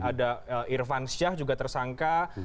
ada irfan syah juga tersangka